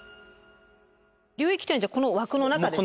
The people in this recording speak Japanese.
流域というのはこの枠の中ですね。